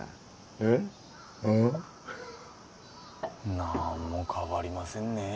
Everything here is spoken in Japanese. なんも変わりませんね